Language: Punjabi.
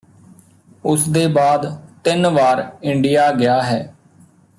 ਉਸਦੇ ਬਾਅਦ ਤਿੰਨ ਵਾਰ ਇੰਡੀਆ ਗਿਆ ਹੈ